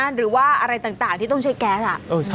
หรือว่าอะไรต่างที่ต้องใช้แก๊ส